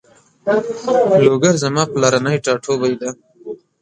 لوګر زما پلرنی ټاټوبی ده